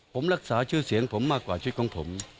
ผมรักษาชื่อเสียงผมมากกว่าชีวิตของผม